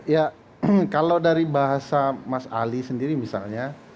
ya kalau dari bahasa mas ali sendiri misalnya